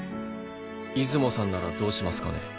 出雲さんならどうしますかね？